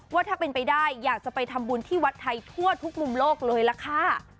ว่าถ้าเป็นไปได้อยากจะไปทำบุญที่วัดไทยทั่วทุกมุมโลกเลยล่ะค่ะ